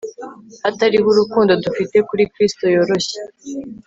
Hatariho urukundo dufite kuri kristu yoroshye